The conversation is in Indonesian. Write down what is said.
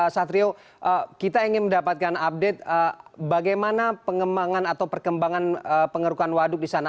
satrio kita ingin mendapatkan update bagaimana pengembangan atau perkembangan pengerukan waduk di sana